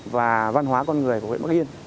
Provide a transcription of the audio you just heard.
và văn hóa con người của huyện bắc yên